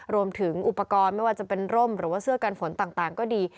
รวมถึงอุปกรณ์ไม่ว่าจะเป็นร่มหรือว่าเสื้อกันฝนต่างก็ดี